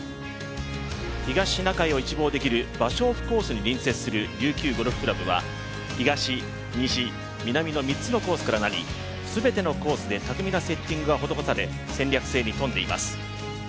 東シナ海を一望できる芭蕉布コースに隣接する琉球ゴルフ倶楽部は東、西、南の３つのコースからなり全てのコースで巧みなセッティングが施され戦略性に富んでいます。